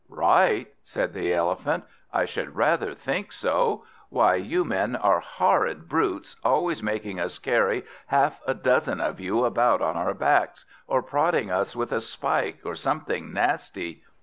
"Right?" said the Elephant, "I should rather think so! Why, you men are horrid brutes, always making us carry half a dozen of you about on our backs, or prodding us with a spike, or something nasty.